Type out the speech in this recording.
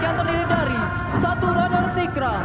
yang terdiri dari satu radar sikra